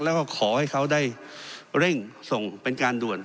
แล้วก็ขอให้เขาได้เร่งส่งเป็นการด่วน